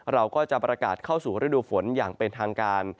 เราก็จะประกาศเข้าสู่ฤดูฝนอย่างเป็นทางการ